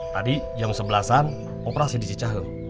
tadi jam sebelas an operasi di cicahe